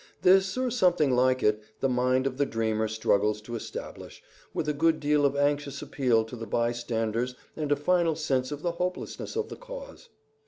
This, or something like it, the mind of the dreamer struggles to establish, with a good deal of anxious appeal to the bystanders and a final sense of the hopelessness of the cause.